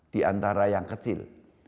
diantara yang kecil